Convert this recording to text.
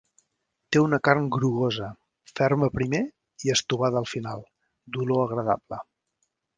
Té una carn grogosa, ferma primer i estovada al final, d'olor agradable.